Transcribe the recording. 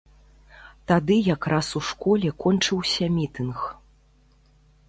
Тады якраз у школе кончыўся мітынг.